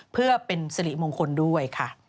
เพื่อเป็นสิริมงคลด้วยค่ะ